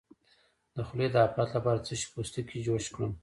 د خولې د افت لپاره د څه شي پوستکی جوش کړم؟